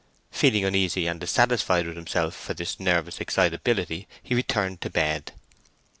Feeling uneasy and dissatisfied with himself for this nervous excitability, he returned to bed.